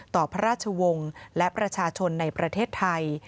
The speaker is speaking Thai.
ต่อพระราชวงศ์และประชาชนในประเทศไทย